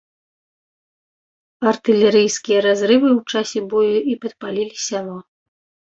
Артылерыйскія разрывы ў часе бою і падпалілі сяло.